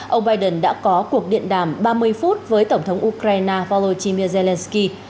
ông biden đã có cuộc điện đàm ba mươi phút với tổng thống ukraine volodymyr zelensky